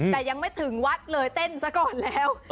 แต่ยังไม่ถึงวัดเลยเต้นซะก่อนแล้ว